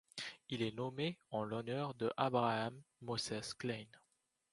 Il est nommé en l'honneur de Abraham Moses Klein.